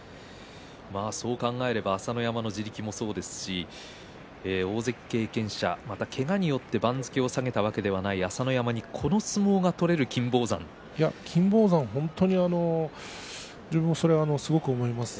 そう考えますと朝乃山の地力もそうですし大関経験者、またけが人によって番付を下げたわけではない朝乃山に金峰山は本当に自分はそれを思います。